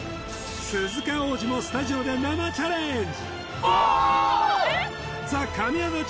鈴鹿央士もスタジオで生チャレンジ